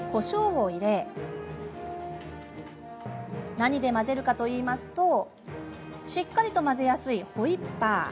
何で混ぜるかといいますとしっかりと混ぜやすいホイッパー。